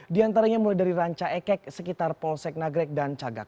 di antaranya mulai dari ranca ekek sekitar polsek nagrek dan cagak